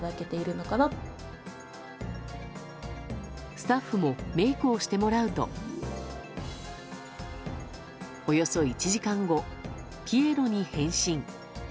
スタッフもメイクをしてもらうとおよそ１時間後ピエロに変身。